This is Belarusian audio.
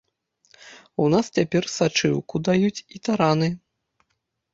У нас цяпер сачыўку даюць і тараны.